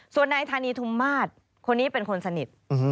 ส่วนนายธานีทุมมาศคนนี้เป็นคนสนิท